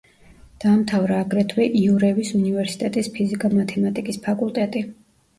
დაამთავრა აგრეთვე იურევის უნივერსიტეტის ფიზიკა-მათემატიკის ფაკულტეტი.